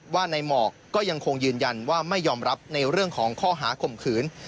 ว่าในหมอกก็ยังคงยืนยันว่าไม่ยอมรับในเรื่องของข้อหาข่มขืน